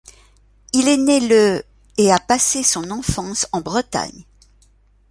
Il est né le et a passé son enfance en Bretagne.